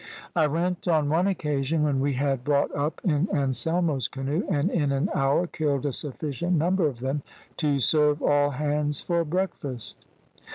"I went on one occasion, when we had brought up, in Anselmo's canoe, and in an hour killed a sufficient number of them to serve all hands for breakfast.